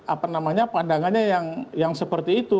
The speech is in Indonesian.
apa namanya pandangannya yang seperti itu